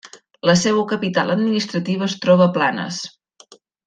La seua capital administrativa es troba a Planes.